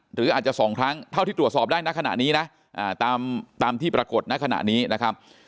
หรืออาจจะ๒ครั้งเท่าที่ตรวจสอบได้ณขณะนี้นะตามที่ปรากฏในขณะนี้นะครับ